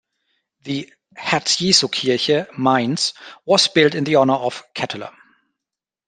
The Herz-Jesu-Kirche, Mainz was built in the honour of Ketteler.